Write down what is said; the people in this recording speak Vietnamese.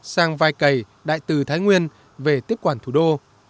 sang vai cây đại từ thái nguyên về tiếp quản thủ đô